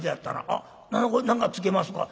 「あっこれ何かつけますか？」。